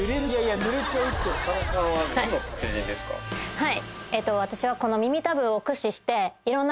はい！